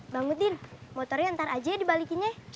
bang udin motornya ntar aja dibalikinnya